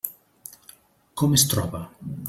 Com es troba?